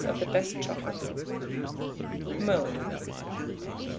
of the best chocolate. Mode.